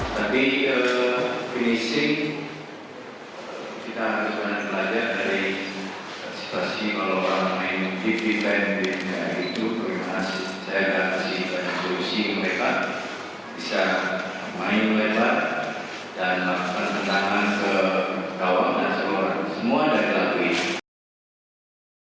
terkait kemenangan atas laos pelatih timnas indonesia u sembilan belas indra syafri mengakui jika lini depan timnya masih memiliki banyak kekurangan